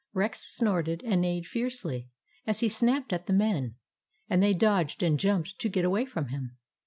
Rex snorted and neighed fiercely, as he snapped at the men, and they dodged and jumped to get away from him.